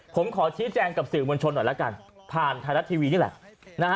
ผมขอชี้แจงกับสื่อมวลชนหน่อยละกันผ่านไทยรัฐทีวีนี่แหละ